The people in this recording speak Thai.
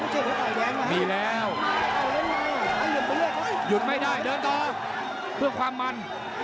หยุดไม่ได้เดินต่อเพื่อความมัน